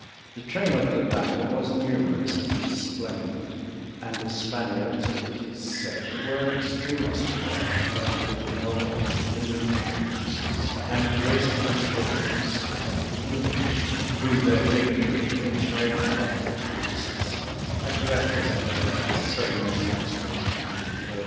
The train of the latter was numerous and splendid; and the Spaniards, it is said, were extremely surprised when they beheld the blooming countenances and graceful appearance of the English, whom their bigotry, inflamed by the priests, had represented as so many monsters and infernal demons.